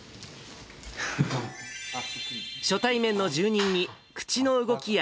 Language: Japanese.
初対面の住人に、口の動きや